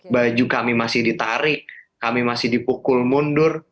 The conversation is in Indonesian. baju kami masih ditarik kami masih dipukul mundur